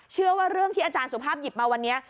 เชื่อว่าเรื่องที่อาจารย์สุภาพหยิบมาวันนี้